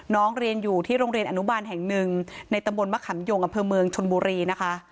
เรียนอยู่ที่โรงเรียนอนุบาลแห่งหนึ่งในตำบลมะขำยงอำเภอเมืองชนบุรีนะคะ